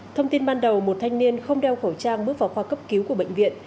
thông tin ban đầu một thanh niên không đeo khẩu trang bước vào khoa cấp cứu của bệnh viện